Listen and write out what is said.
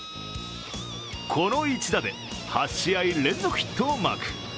この一打で８試合連続ヒットをマーク。